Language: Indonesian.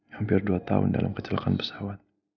hampir dua tahun dalam kecelakaan pesawat